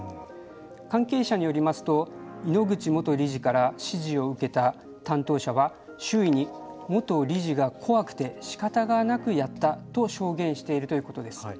関係者によりますと井ノ口元理事から指示を受けた担当者は周囲に元理事が怖くてしかたがなくやったと証言しているということです。